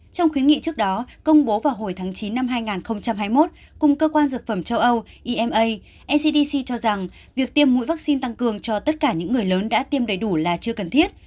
trong khuyến nghị trước đó công bố vào hồi tháng chín năm hai nghìn hai mươi một cùng cơ quan dược phẩm châu âu ema ncdc cho rằng việc tiêm mũi vaccine tăng cường cho tất cả những người lớn đã tiêm đầy đủ là chưa cần thiết